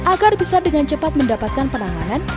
agar bisa dengan cepat mendapatkan penanganan